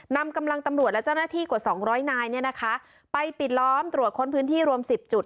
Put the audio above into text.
นำกำลังตำรวจและเจ้าหน้าที่กว่าสองร้อยนายเนี่ยนะคะไปปิดล้อมตรวจค้นพื้นที่รวมสิบจุด